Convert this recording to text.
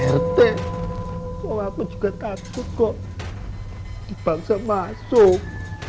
pak rt suamaku juga takut kok dibangsa masuk